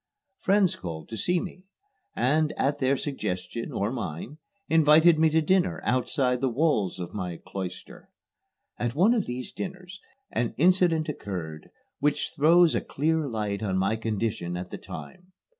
Friends called to see me and, at their suggestion or mine, invited me to dinner outside the walls of my "cloister." At one of these dinners an incident occurred which throws a clear light on my condition at the time.